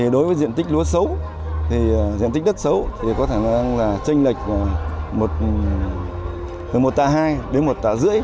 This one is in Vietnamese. đối với diện tích đất xấu có thể là tranh lệch từ một tạ hai đến một tạ rưỡi